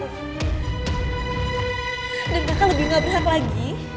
dan kakak lebih gak berhak lagi